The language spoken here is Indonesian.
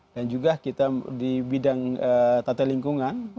dan juga kita di bidang tatah lingkungan